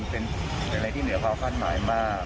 เป็นอะไรที่เหนือความคาดหมายมาก